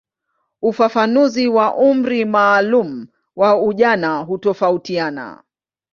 Ufafanuzi wa umri maalumu wa ujana hutofautiana.